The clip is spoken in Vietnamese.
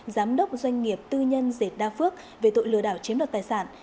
giám đốc doanh nghiệp tư nhân dệt đa phước về tội lừa đảo chiếm đoạt tài sản